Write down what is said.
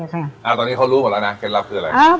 ตอนนี้เขารู้หมดแล้วนะเคล็ดลับคืออะไร